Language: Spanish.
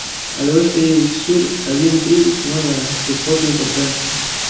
Al oeste y sur habían tribus nómadas de poca importancia.